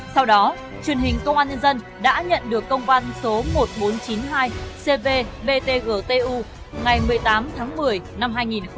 sau đó truyền hình công an nhân dân đã nhận được công văn số một nghìn bốn trăm chín mươi hai cv vtgtu ngày một mươi tám tháng một mươi năm hai nghìn hai mươi ba